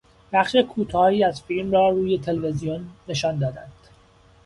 بخش کوتاهی از فیلم را روی تلویزیون نشان دادند.